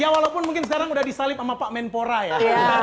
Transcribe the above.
ya walaupun mungkin sekarang udah disalib sama pak menpora ya